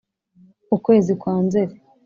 ukwezi kwa nzeri